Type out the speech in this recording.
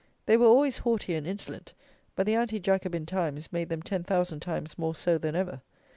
They were always haughty and insolent; but the anti jacobin times made them ten thousand times more so than ever.